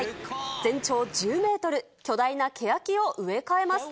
全長１０メートル、巨大なけやきを植え替えます。